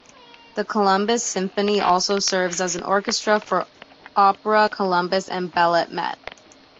The Columbus Symphony also serves as the orchestra for Opera Columbus and Ballet Met.